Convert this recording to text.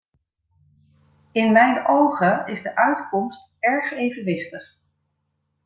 In mijn ogen is de uitkomst erg evenwichtig.